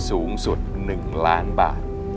สูงสุดหนึ่งล้านบาท